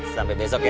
sampai besok ya